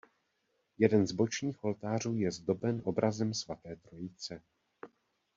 Jeden z bočních oltářů je zdoben obrazem svaté Trojice.